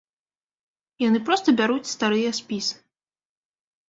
Яны проста бяруць старыя спісы.